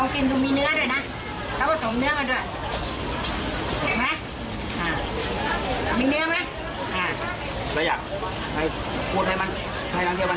พูดให้มั้ยให้น้องเที่ยวบรรจาว่าเราไม่มี